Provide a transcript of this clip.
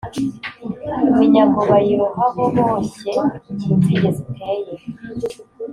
Iminyago bayirohaho, boshye inzige ziteye,